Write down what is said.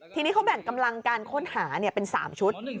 ทีนี้เขาแบ่งกำลังการค้นหาเป็น๓ชุด